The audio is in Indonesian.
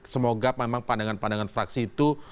semoga memang pandangan pandangan fraksi itu